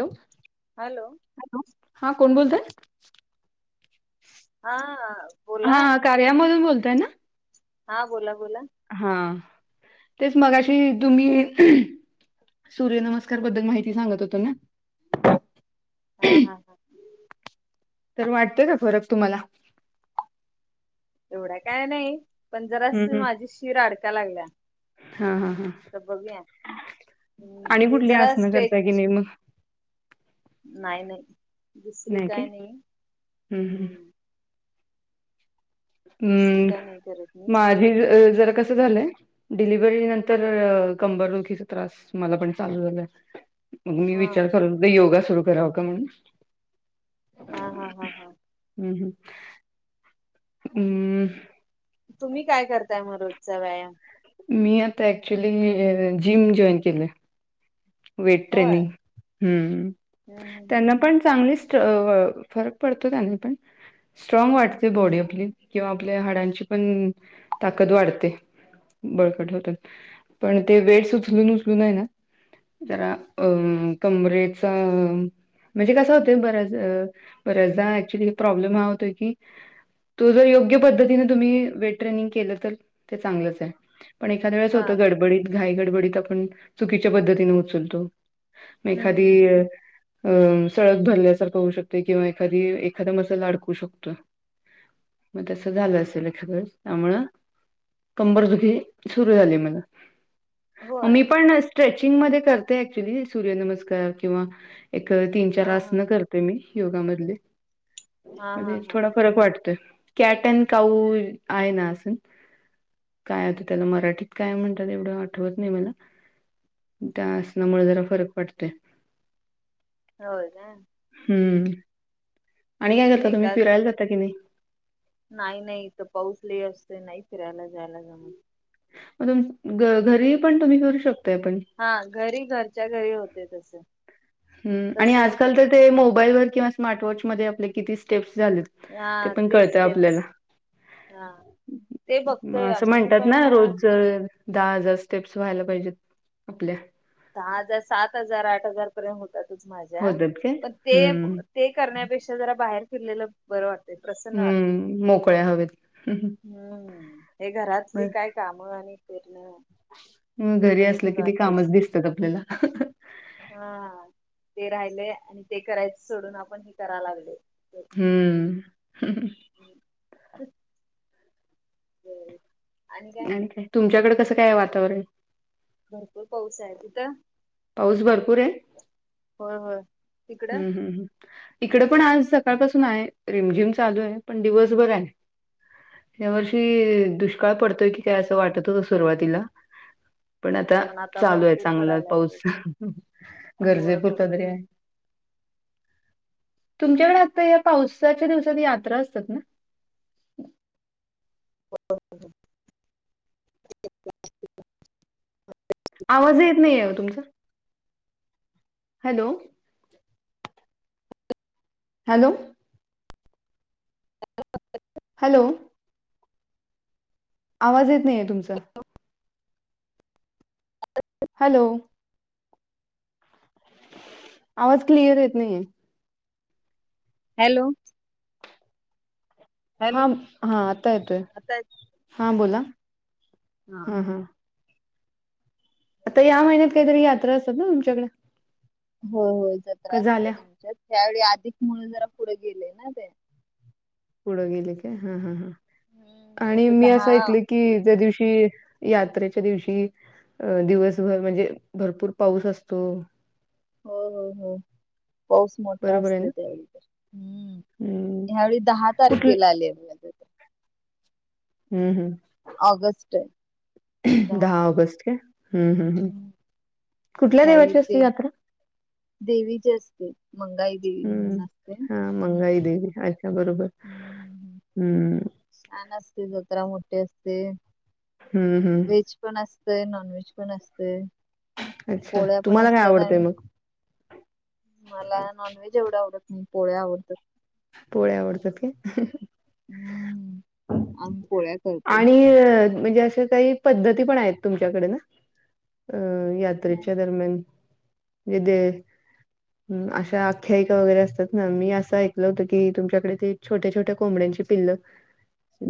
Hello. Hello. Hello, हा कोण बोलतय? हा अं बोला. हा कार्यामधून बोलताय ना? हा बोला बोला. हा तेच मघाशी तुम्ही सूर्य नमस्कार बद्दल माहिती सांगत होतो ना? हा हं. तर वाटतय का फरक तुम्हाला? एवढा काय नाही, पण हम्म जराशी हम्म माझी शिर अडकाय लागल्या. हा हा हा तर बघूया. हम्म, आणि ते कुठली जरा आसनं करताय की स्टेच नाही मग नाही नाही दुसरी काय नाही, हम्म. दुसरी काय नाही करत मी. हे जरा कसं झालंय? डिलिव्हरी नंतर कंबरदुखीचा त्रास मला पण चालू झालाय. मग मी हा विचार करत होते, योगा सुरु कराव का म्हणून? हा हा हा हा. हम्म, हम्म. हम्म. तुम्ही काय करताय मग रोजचा व्यायाम? मी आता ऍक्च्युली जिम जॉईन केलीय. वेट होय ट्रेनिंग हम्म, हम्म हम्म हम्म त्यांन हम्म. पण चांगलीच त व फरक पडतो त्यांनी पण. स्ट्राँग वाटते बॉडी आपली किंवा आपल्या हाडांची पण ताकद वाढते. बळकट होतात, पण ते वेट्स उचलून उचलून आहे ना जरा अं कमरेचा म्हणजे कस होतय बऱ्याच बऱ्याचदा ऍक्च्युली प्रॉब्लेम हा होतोय की? तो जर योग्य पद्धतीने तुम्ही वेट ट्रेनिंग केलं, तर ते चांगलंच आहे. पण एखाद्या वेळेस हा होतं गडबडीत घाई गडबडीत, आपण चुकीच्या पद्धतीने उचलतो. मग हम्म एखादी हम्म अ हम्म सळक भरल्यासारखं होऊ शकतय किंवा एखादी एखादं मसल्स अडकू शकतोय. मग तसं झालं असेल एखाद्या वेळेस त्यामुळं कंबर दुखी सुरू झाली मले. मग होय मी पण स्ट्रेचिंग मध्ये करते ऍक्च्युली सूर्यनमस्कार किंवा? एक तीन चार हा हा आसनं करते मी योगा मधली. हा हा म्हणजे हा थोडा हा फरक वाटतोय कॅट आण काऊ आहे ना आसन. काय आत त्याला मराठीत काय म्हणतात एवढं आठवत नाही मला त्या? त्यामुळे जरा फरक पडतोय. हो का हम् हं. ह. आणि काय करता? तुम्ही फिरायला जाता कि नाही? नाही, नाही, इथ पाऊस ल असते. नाही फिरायला जायला जाम त. मग, तु घरी पण तुम्ही फिरू शकताोय? पण. हा. घरी घरच्या घरी होतेतस. ह् आणि आजकाल तर ते मोबाईल वर किंवा स्मार्टवॉचमध्येध्ये, आपले किती स्टेप्स झालेत. हा पण ते कळतं आपल्याला. स्टेपस. बघतोय असं आम्ही म्हणतात ना पण रोज जर. दहा हजार स्टेप्स व्हायला पाहिजेत आपल्या. दहा हजार, सात हजार, आठ हजार पर्यंत होतातच माझ्या होतात काय? पण ते. हम्म. ते करण्यापेक्षा जरा बाहेर फिरलेलं बरं वाटतं. हम्म मोकळ्या हवे. हम्म हे घरातली काय कामं आणि फिरणं अ घरी एकूण असलं एकच कि ते कामच वाटतेस दिसतात. आपल्याला हा. ते राहिले आणि सोडून आपण हे करा लागले. हम्म. हम्. आण काय, तुमच्याकडे कसं काय आहे? वातावरण भरपूर पाऊस आहे ती थ पाऊस भरपूर आहे? हो हो. हम् हम्मम् इकडे पण आज सकाळपासून आहे रिमझिम चालू आहे पण दिवसभर आहे. यावर्षी दुष्काळ पडतोय की काय? असं वाटत होत सुरुवातीला. पण आता चालू आहे. चांगला पाऊस गरजे होय पुुरता तरी भरपूर आहे. तुमच्याकडे, आत्ता या पावसाच्या दिवसात यात्रा असतात ना! हो. आवाज येत नाही आहे. तुमचा हॅलो. हॅलो. [inaudible] हॅलो. आवाज येत नाहीय तुमचा. हॅलो. आवाज क्लिअर येत नाहीये. हॅलो. हा. हॅलो आता येतोय, आता हा बोला. हा हा. आता, या महिन्यात काहीतरी यात्रा असतात ना? तुमच्याकड हो हो जत्रासत आमच्या, त्यावेळी अधिक म्हणून जरा पुढे गेले ना ते. पुढं गेले का? हा हा हा हम्म आणि आता मी दहा असं ऐकल कि त्या दिवशी यात्रेच्या दिवशी अ दिवसभर म्हणजे भरपूर पाऊस असतो. हो हो हो पाऊस मोठा बरोबर आहे असतोय ना? त्यावेळी तर हम्म.... हम्म ह्यावेळी दहा कुठ तारखेला आलेय हम्म हम् ऑगस्ट दहा ऑगस्ट का? हम् हम् हम् हम्म. कुठल्या ह्यावेळी देवाची असते ते यात्रा? देवीची असते मंगाई देवी हम्म म्हणून असते. हा मंगाई हम्म देवी अच्छा बरोबर, हम्म हम्म छान असते जत्रा मोठी असते हम्म हम्म व्हेज पण असतंय नॉनव्हेज पण असतंय अच्छा पोळ्या पण तुम्हाला काय असतात आवडतंय आणि मग मला नॉनव्हेज एवढं आवडत नाही पोळ्या आवडतात पोळ्या आवडतात काय? हम्म आम्ही पोळ्या करतोय. आणि म्हणजे असं काही पद्धती पण आहेत तुमच्याकडे ना? अं यात्रेच्या दरम्यान अशा आख्यायिका वगैरे असतात ना मी असं ऐकलं होतं कि तुमच्याकडे ते छोट्या छोट्या कोंबड्यांची पिल्ल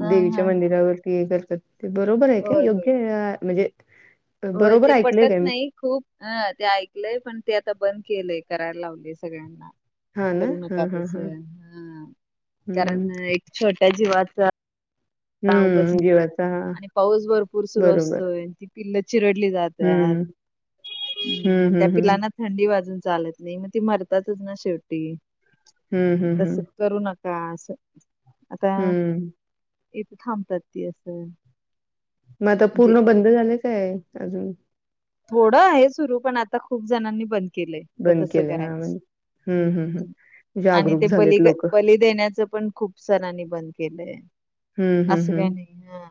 हा हा देवीच्या हा मंदिरावरती हे करतात ते बरोबर आहे काय? होय होय योग्य म्हणजे होय बरोबर ते ऐकलंय पटत काय मी? नाही खूप हं ते ऐकलंय पण ते आता बंद केलंय करायला लावले सगळ्यांना हां ना? करू नका हां, हां, तस हां. हा कारण हं. एक छोट्या जीवाचा हं. जीवाचा हां. आणि पाऊस भरपूर सुरु बरोबर. असतोय ती पिल्ल चिरडली जातत हं. हं, त्या हं, हं. पिलाना थंडी वाजून चालत नाही मग ती मरतातच ना शेवटी हं, हं, तस हं. करू नका असं हम्म इथ त थांबतात ती असं मग आता म्हणजे पूर्ण बंद झाले काय अजून थोडं आहे सुरू पण आता खूप जणांनी बंद केलंय बंद तस केलंय? हां, करायचं म्हणजे हं, हं, हं. हम आणि जागरूक ते बळी झालेत काय लोकं. बळी देण्याचं पण खूप जणांनी बंद केलंय हं, हं, असं काय हं. नाही हा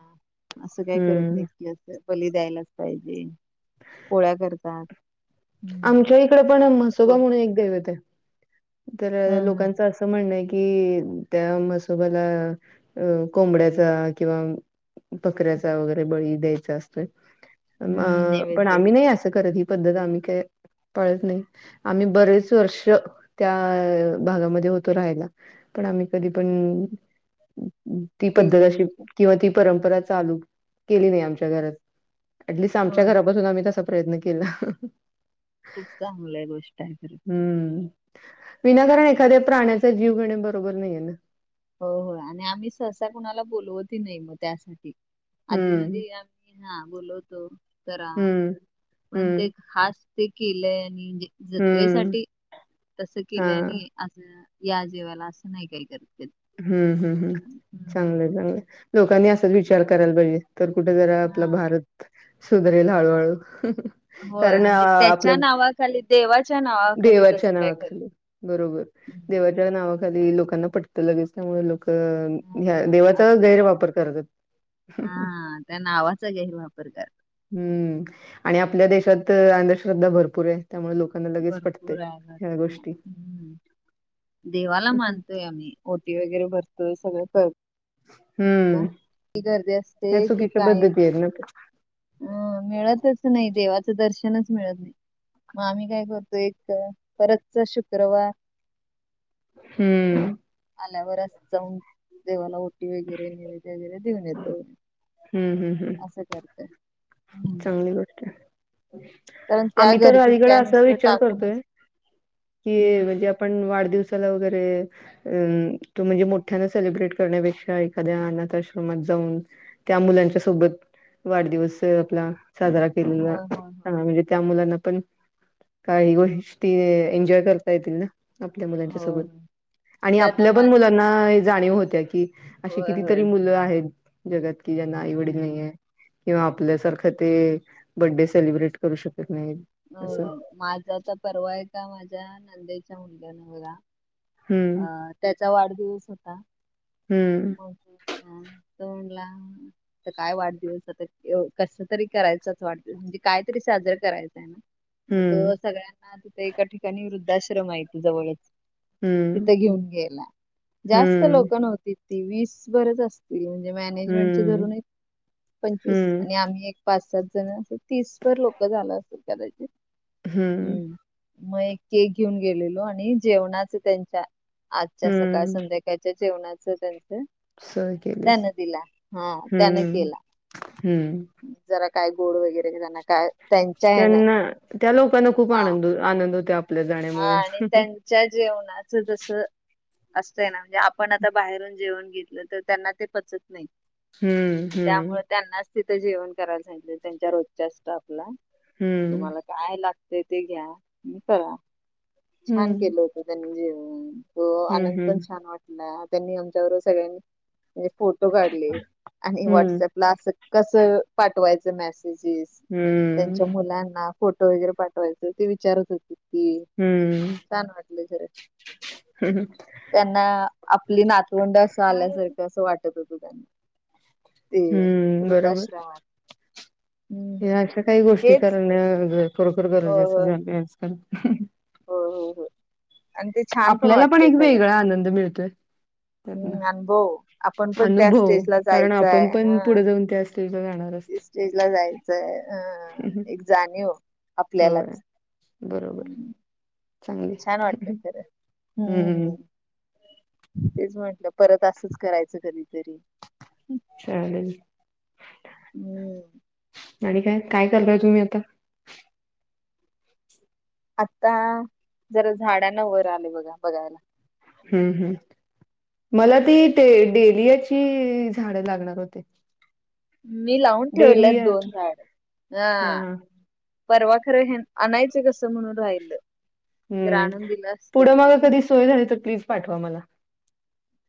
असं काय करत नाही हं. की असं बळी द्यायलाच पाहिजे [unintelligible] पोळ्या करतात हम्म आमच्या इकडे पण म्हसोबा गोड म्हणून एक दैवत आहे हा तर हा लोकांच अस त म्हणणंय कि त्या म्हसोबाला अ कोंबड्याचा किंवा बकऱ्याचा वगैरे बळी द्यायचा असतोय हम्म अ पण नैवेद्य आम्ही नाही असं करत पद्धत आम्ही काही पळत नाही आम्ही बरेच वर्ष त्या भागामध्ये होतो राहायला पण आम्ही कधी पण ती पद्धत केलं अशी नाही ते किंवा ती परंपरा चालू केली नाही आमच्या घरात अटलिस्ट आमच्या होय घरापासून आम्ही तसा प्रयत्न केला खूप चांगलं आहे गोष्ट आहे खर हम्म. विनाकारण एखाद्या प्राण्याचा जीव घेणे, बरोबर नाहीये ना? हो हो आणि आम्ही सहसा कुणाला बोलवत हि नाही, म त्यासाठी, आधी हम्म. मदी मी हां बोलवतो, जरा हम्म. पण ते हम्म. खास ते केलंय आणि म्हणजे हम्म. जत्रेसाठी, तस हा. केलंय आणि असं, या जेवाला, असं नाही काही करत कध ह्म हम हम, चांगलं-चांग लोकांनी असाच विचार करायला पाहिजे, तर कुठे जरा, आपला हा भारत सुधरेल हळूहळू. होय कारण अ म्हणजे आपल्या, त्याच्या नावाखाली देवाच्या नावाखाली देवाच्या तसं काय करत नाही. नावाखाली, बरोबर हम्म. देवा नावाखाली, लोकांना पट त लगेच त्यामुळं लोकं, ह्या देवाचा, गैरवापर करतात. अ, त्या नावाचा, गैरवापर कर हम्म आणि आपल्या देशात, अंधश्रद्धा भरपूर ये, त्यामुळे लोक भरपूर आहे, भरपूर ये, हम् देवाला मानतोय आम्ही. ओटी वगैरे भरतो, सगळं [unintelligible] की गर्दी अस या चुकीच्या पद्धती येत ना? अ मिळतच नही, देवाचं दर्शनच मिळत नही, मग आम्ही काय करतो, एक परतचा शुक्रवार हम्म. आल्यावरच जाऊन, देवाला ओटी वगैरे, निवद वगैरे, देऊन येतो. हम्म हम्म ह्म. असं करते. चांगली गोष्ट. कारण त्या आम्ही तर गर्दीत अलीकड, काय असं नुसतं विचार करतोय टाकूनच हम्म. की, म्हणजे आ पण वाढदिवसाला वगैरे अं त म्हणजे मोठ्याना सेलिब्रेट करण्यापेक्षा, एखाद्या अनाथ आश्रमात जाऊन त्या मुलांच्या सोबत, वाढदिवस ला, साजरा केलेला, होय होय होय हां म्हणजे त्या मुलांना पण काही गोष्टी, एन्जॉय करता येतील ना? आपल्या मुलांच्या होय सोबत, होय आणि तिथं आता आपल्या पण माझ मुला ना, जाणीव होत्या की, अशी होय होय कितीतरी मुलं आहेत, जगात कि, ज्यांना आईवडील हम्म नाहीये. किंवा आपल्यासारखं ते, बर्डे सेलिब्रेट करू शकत नाही. होय, माझा त परवा, एका माझ्या नणंदेच्या, मुलग्याना बघा हम्म अ त्याचा वाढदिवस होता, मग अं, [unintelligible] तो म्हणला त काय वाढदिवस, आता कस तरी, करायचाच वाढदिवस, म्हणजे काय तरी साजरं करायच‌ं. [inaudible] म तो सगळ्यांना, तिथे एका ठिकाणी वृद्धाश्रम य, ते जवळच हम्म तिथं घेऊन गेला, जास्त हम्म, लोक नव्हती, ती वीसभरच अस म्हणजे मॅनेजमेंटचे हम्म, धरून, एक पंचवीस हम्म, आणि आम्ही एक पाच सात जण अस, तीसभर लोकं, झालं असल कदाचित, हम्म, ह्म. मग एक केक घेऊन गेलेलो, आणि जेवणाचं त्यांच्या, आजच्या सकाळ हम्म. संध्याकाळ त्या जेवणाचं त्यांचं, सहल त्यान केलीस. दिला, हां त्यान हम्म, केला. हम्म. जरा काय गोड वगैरे, हेज्यान काय त्यांच्या हे ना त्यांना त्या लोकांना खूप हा आनंद आनंद होतो. आपल्या हा आणि जाण्यामुळे. त्यांच्या जेवणाचं तसं. असतय ना. म्हणजे आपण आता बाहेरून जेवण घेतलं, तर त्यांना ते पचत नाही. हम्म, हम्म, त्यामुळे त्यांनाच तिथं जेवण करायला सांगितल त्यांच्या रोजच्या स्टॉप ला. हम्म. काय लागतय ते घ्या. आणि करा. छान हम्म, केलं होत त्यांनी जेवण. आनंद पण हम्म, छान वाटत. हा त्यांनी आमच्या बरोबर सगळ्यांनी म्हणजे फोटो काढले आणि हम्म, वॉट्सअपला अस कस पाठवायचं मेसेजेस हम्म. त्यांच्या मुलांना फोटो वगैरे पाठवायचं ते विचारत होते ती. हम्म. छान वाटले खरं. [unintelligible] त्यांना आपली नातवंड असं आल्यासारखं असं वाटत. ते हम्म, बरोबर. वृद्धाश्रमात. या हम्म अशा काही गोष्टी हेच करण्या खरोखर हो गरजेचं हो झालंय आजकाल. हो हो हो. आणि ते छान पण आपल्याला वाटतय एक सगळ्यांना. वेगळा आनंद मिळतोय. त्यातनं. हम्म. अनुभव आपण पण त्या अनुभव स्टेजला कारण जायचय आपण पण हं. पुढे जाऊन त्या स्टेजला जाणार असतो. स्टेज ला जायचंय. अ एक जाणीव होय, आपल्यालाच. बरोबर. चांगली छान वाटतय खरं. हम्म हम्. तेच म्हंटलं, परत असंच करायचं कधीतरी. चालेल. हम्म आणि काय? काय चालूय तुम्ही आता? आता जरा झाडांनां वर आलोय बघा बघायला. हम् हम्. मला ती जरा ते डेलियाची झाडं लागणार होती. मी लावून ठेवलेत दोन झाड हा. परवा खरं. हे आणायचं कसं म्हणून, राहिलं जर हम्म आणून दिलं असत पुढं मग हम. कधी सोय झाली तर प्लीज पाठवा मला.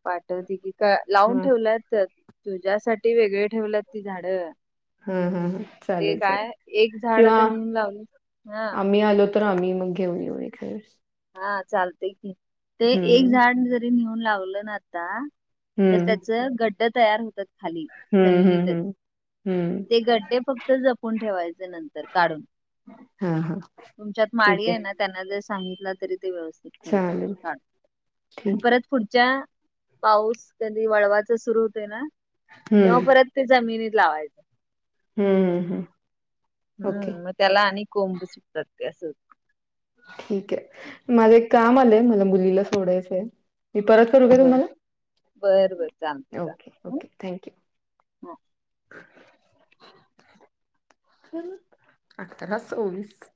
पाठवते की. लावून हा ठेवल्यात तुझ्यासाठी वेगळे ठेवल्यात ती झाड. हम ह ह चालेल चालेल. एक झाड किंवा आता नेऊन लावली हा आम्ही आलो त र आम्ही मग घेऊन येऊ येतेवेळेस. हा चालतेय की. ते एक हम्म झाड जरी नेऊन लावलं ना आता. तर हम्म त्याच गट्ट तयार होतात. खाली हम्म हम्म जमिनीतच हम्म हम्म ते गड्डे फक्त जप पुण ठेवायचे नंतर काढून. हा हा तुमच्यात माळी आहे ना. त्यांना जर सांगितलं तरी ते व्यवस्थित ठेवतात चालेल काढून. आणि ठीक आहे परत पुढच्या पाऊस कधी वळवाचा सुरू होते ना. तेव्हा हम्म परत ते जमिनीत लावायचं. हम्म हम् हम्. हम्म मग त्याला आणि कोंब सुटतात ते अस होतय. ठीक आहे. माझं एक काम आलंय. मला मुलीला सोडायचंय. मी परत करू का बर तुम्हाला? बर बर चालतय ओके. चालतय ओके. थँक्यू. [unintelligible]